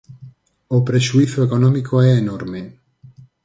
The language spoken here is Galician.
O prexuízo económico é enorme.